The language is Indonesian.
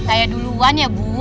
saya duluan ya bu